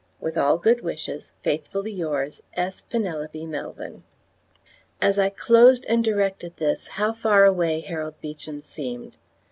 With all good wishes, Faithfully yrs, S. PENELOPE MELVYN. As I closed and directed this how far away Harold Beecham seemed!